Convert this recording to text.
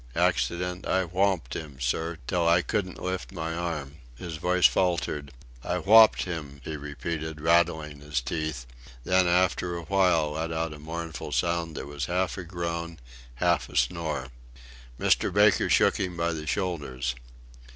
Accident!... I whopped him, sir, till I couldn't lift my arm...." His voice faltered. "I whopped 'im!" he repeated, rattling his teeth; then, after a while, let out a mournful sound that was half a groan, half a snore. Mr. Baker shook him by the shoulders.